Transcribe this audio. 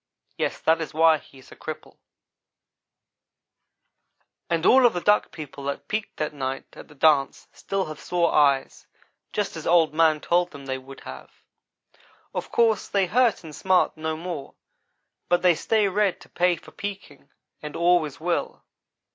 Yes, that is why he is a cripple to day. "And all of the Duck people that peeked that night at the dance still have sore eyes just as Old man told them they would have. Of course they hurt and smart no more but they stay red to pay for peeking, and always will.